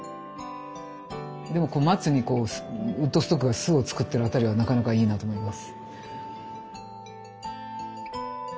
でも松にウッドストックが巣を作ってるあたりがなかなかいいなと思います。